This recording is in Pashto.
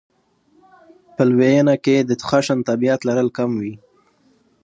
په لویېنه کې یې د خشن طبعیت لرل کم وي.